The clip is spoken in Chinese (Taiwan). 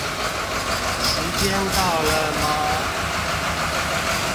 時間到了嗎